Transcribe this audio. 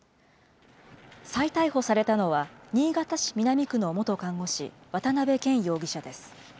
再逮捕されたのは、新潟市南区の元看護師、渡辺健容疑者です。